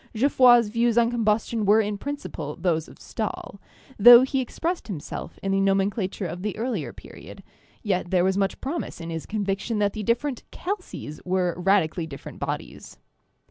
Geoffroy's views on combustion were in principle those of Stahl, though he expressed himself in the nomencla ture of the earlier period; yet there was much promise in his conviction that the different 'calces' were radically different bodies.